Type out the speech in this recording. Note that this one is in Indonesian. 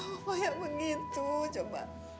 bapak yang begitu coba